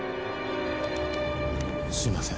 すいません。